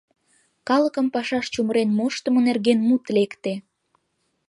Калыкым пашаш чумырен моштымо нерген мут лекте.